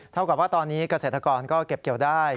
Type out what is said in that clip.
เท่ากับว่าตอนนี้เกษตรกรก็เก็บเกี่ยวได้